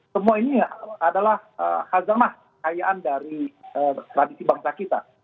semua ini adalah hazamah kayaan dari tradisi bangsa kita